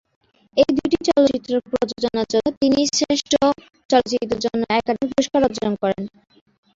এই দুটি চলচ্চিত্র প্রযোজনার জন্য তিনি শ্রেষ্ঠ চলচ্চিত্রের জন্য একাডেমি পুরস্কার অর্জন করেন।